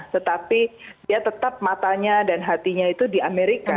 tetapi dia tetap matanya dan hatinya itu di amerika